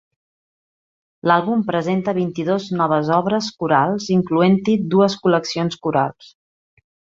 L'àlbum presenta vint-i-dos noves obres corals, incloent-hi dues col·leccions corals.